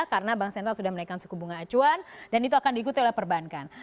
karena bank sentral sudah menaikan suku bunga acuan dan itu akan diikuti oleh perbankan